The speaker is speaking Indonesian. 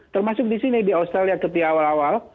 termasuk di sini di australia ketika awal awal